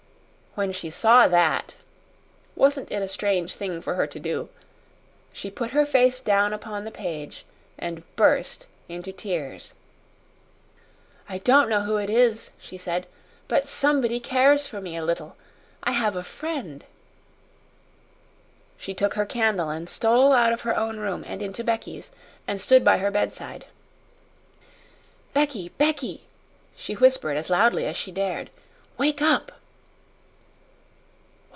When she saw that wasn't it a strange thing for her to do she put her face down upon the page and burst into tears. "I don't know who it is," she said; "but somebody cares for me a little. I have a friend." She took her candle and stole out of her own room and into Becky's, and stood by her bedside. "Becky, Becky!" she whispered as loudly as she dared. "Wake up!"